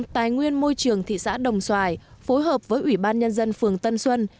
tài nguyên môi trường thị xã đồng xoài phối hợp với ủy ban nhân dân phường tân xuân